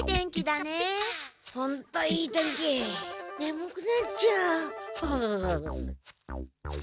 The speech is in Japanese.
ねむくなっちゃうああ。